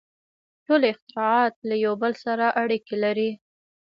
• ټول اختراعات له یو بل سره اړیکې لري.